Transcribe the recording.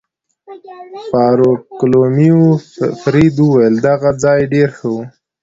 فاروقلومیو فرید وویل: دغه ځای ډېر ښه و.